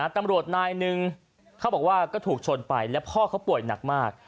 ตำรวจนายหนึ่งเขาบอกว่าก็ถูกชนไปแล้วพ่อเขาป่วยหนักมาก